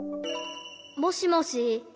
もしもし？